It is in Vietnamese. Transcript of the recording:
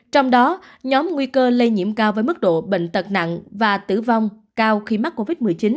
trong đó nhóm nguy cơ lây nhiễm cao với mức độ bệnh tật nặng và tử vong cao khi mắc covid một mươi chín